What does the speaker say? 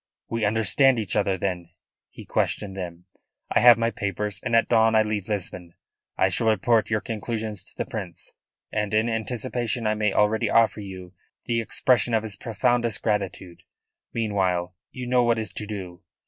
"We understand each other, then?" he questioned them. "I have my papers, and at dawn I leave Lisbon. I shall report your conclusions to the Prince, and in anticipation I may already offer you the expression of his profoundest gratitude. Meanwhile, you know what is to do.